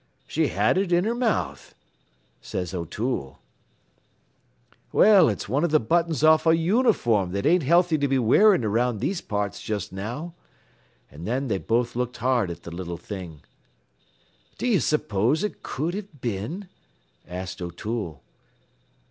"'She had it in her mouth,' says O'Toole. "'Well, it's one av th' buttons off a uniform that ain't healthy to be wearin' around these parts just now.' An' then they both looked hard at th' little thing. "'D'ye s'pose it cud have been?' asked O'Toole.